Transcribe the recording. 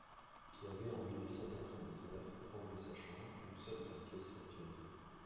Qui avait en mille huit cent quatre-vingt-dix-neuf proche de sa chambre, une seule grande pièce fonctionnelle.